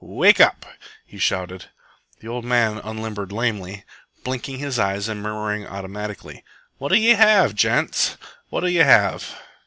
Wake up!" he shouted. The old man unlimbered lamely, blinking his eyes and murmuring automatically: "What'll ye have, gents? What'll ye have?"